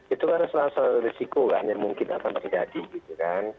itu kan salah satu risiko kan yang mungkin akan terjadi gitu kan